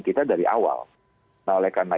kita dari awal nah oleh karena